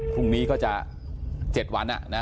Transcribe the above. พรุ่งนี้ก็จะ๗วัน